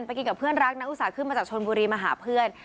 กินกับเพื่อนรักนักอุตส่าห์ขึ้นมาจากชนบุรีมาหาเพื่อน